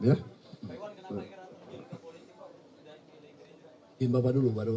pak iwan kenapa ingin bergabung dengan politik pak